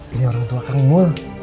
ini orang tua kamu